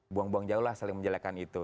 buang buang jauh lah saling menjelekan itu